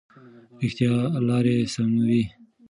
رښتیا لارې سموي.